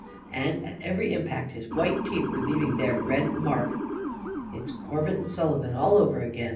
And at every impact his white teeth were leaving their red mark. "It's it's Corbett and Sullivan, all over again!"